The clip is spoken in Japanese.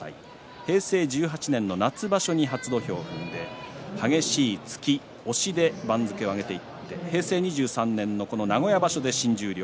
平成１８年の夏場所に初土俵を踏んで激しい突き押しで番付を上げていって平成２３年の名古屋場所で新十両。